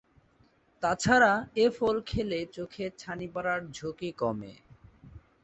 তা ছাড়া এ ফল খেলে চোখে ছানি পড়ার ঝুঁকি কমে।